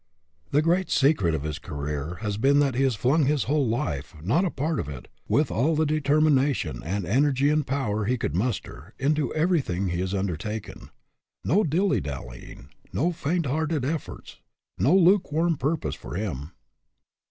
The great secret of his career has been that he has flung his whole life, not a part of it, with all the determination and energy and power he could muster, into everything he has undertaken. No dillydallying, no faint hearted efforts, no lukewarm purpose for him!